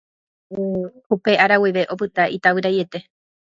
Upe ára guive opyta itavyraiete.